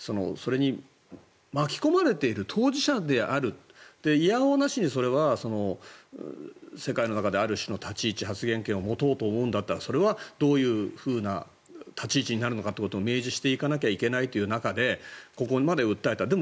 それに巻き込まれている当事者であるいや応なしにそれは世界の中である種の立ち位置発言権を持とうと思うのならそれはどういうふうな立ち位置になるのかということも明示していかなきゃいけないという中でここまで訴えた。